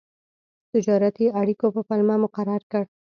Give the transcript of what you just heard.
تجارتي اړیکو په پلمه مقرر کړ.